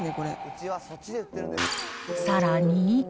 さらに。